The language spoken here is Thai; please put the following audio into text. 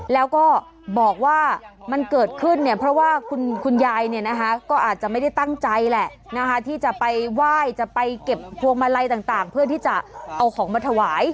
แล้วก็บอกว่ามันเกิดขึ้นเนี่ยเพราะว่าคุณยายเนี่ยนะคะก็อาจจะไม่ได้ตั้งใจแหละที่จะไปไหว้จะไปเก็บพวงมาลัยต่างเพื่อที่จะเอาของมาถวาย